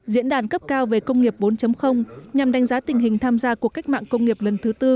diễn đàn cấp cao về công nghiệp bốn nhằm đánh giá tình hình tham gia cuộc cách mạng công nghiệp lần thứ tư